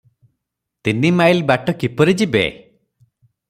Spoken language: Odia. ତିନିମାଇଲ ବାଟ କିପରି ଯିବେ?